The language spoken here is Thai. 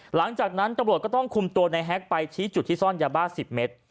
หลังจากนั้นตำรวจก็ต้องคุมตัวในแฮกไปชี้จุดที่ซ่อนยาบ้า๑๐เมตร